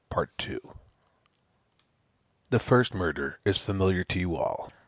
The first murder is familiar to you all.